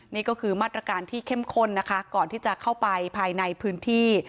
นี่ก็คือมาตรการที่เข้มข้นนะคะก่อนที่จะเข้าไปภายในพื้นที่